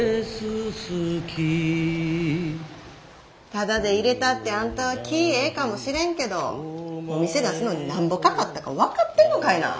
タダで入れたってあんたは気ぃええかもしれんけどお店出すのになんぼかかったか分かってんのかいな。